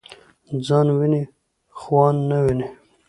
ځان وینی خوان نه ويني .